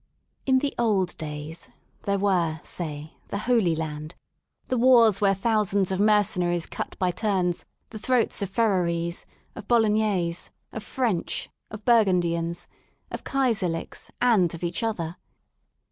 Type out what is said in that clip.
*' In the old days," there were, say, The Holy Land, the "Wars where thousands of mercenaries cut by turns the throats of Ferrarese^ of Bolognese, of French, of Burgundians, of Kaiserllksand of each other.